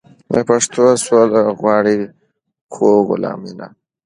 پښتون سوله غواړي خو غلامي نه.